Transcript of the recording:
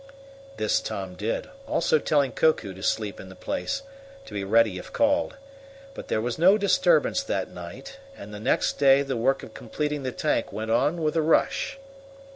This Tom did, also telling Koku to sleep in the place, to be ready if called. But there was no disturbance that night, and the next day the work of completing the tank went on with a rush.